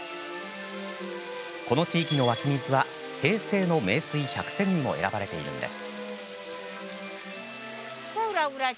この地域の湧き水は平成の名水百選にも選ばれているんです。